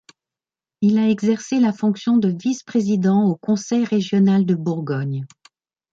Il a exercé la fonction de vice-président au conseil régional de Bourgogne.